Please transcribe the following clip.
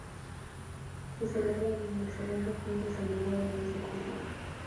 Se celebran el segundo fin de semana del mes de julio.